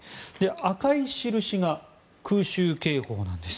赤い印が空襲警報なんです。